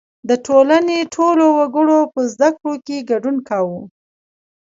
• د ټولنې ټولو وګړو په زدهکړو کې ګډون کاوه.